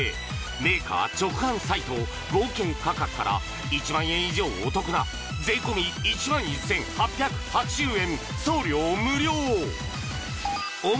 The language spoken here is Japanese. メーカー直販サイト合計価格から１万円以上お得な税込１１８８０円